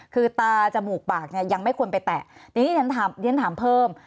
คือตาจมูกปากเนี่ยยังไม่ควรไปแตะทีนี้เรียนถามเพิ่ม